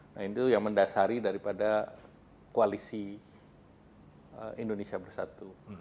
nah itu yang mendasari daripada koalisi indonesia bersatu